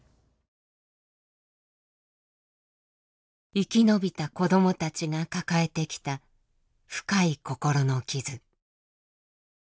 生き延びた子どもたちが抱えてきた深い心の傷。